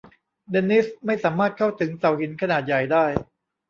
เดนนิสไม่สามารถเข้าถึงเสาหินขนาดใหญ่ได้